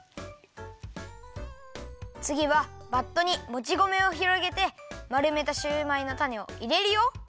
つぎはバットにもち米をひろげてまるめたシューマイのたねをいれるよ。